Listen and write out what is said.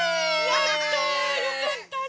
やったよかったね！